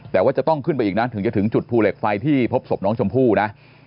แต่ว่าจะต้องขึ้นไปอีกนะถึงจะถึงจุดภูเหล็กไฟที่พบศพน้องชมพู่นะ